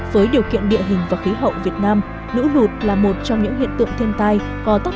với điều kiện địa hình và khí hậu việt nam lũ lụt là một trong những hiện tượng thiên tai có tác